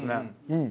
うん。